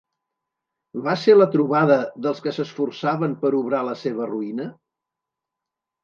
Va ser la trobada dels que s'esforçaven per obrar la seva ruïna?